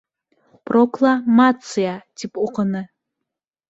— Прокла-ма-ция, — тип уҡыны.